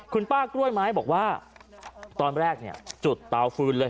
คุณป้ากล้วยไม้บอกว่าตอนแรกเนี่ยจุดเตาฟืนเลย